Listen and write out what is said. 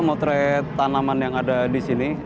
motret tanaman yang ada di sini